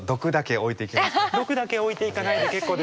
毒だけ置いて行かないで結構ですよ。